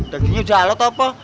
dagingnya udah alot apa